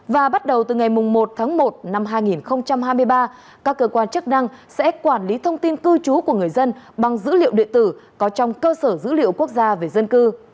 và bắt đầu từ ngày một tháng một năm hai nghìn hai mươi ba các cơ quan chức năng sẽ quản lý thông tin cư trú của người dân bằng dữ liệu điện tử có trong cơ sở dữ liệu quốc gia về dân cư